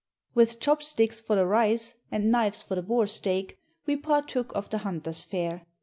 With chopsticks for the rice and knives for the boar steak, we partook of the hunter's fare.